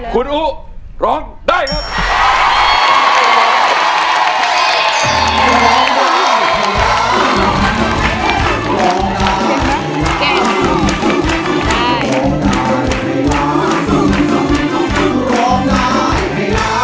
คุณอุ๊ร้องได้ครับ